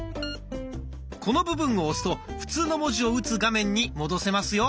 この部分を押すと普通の文字を打つ画面に戻せますよ。